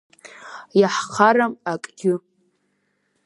Иаҳхарам акгьы!